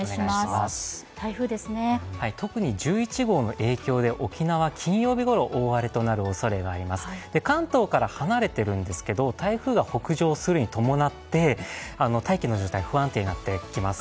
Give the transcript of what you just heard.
台風１１号の影響で沖縄は大荒れとなるおそれがあります、関東から離れているんですが台風が北上するに伴って、大気の状態不安定になってきます。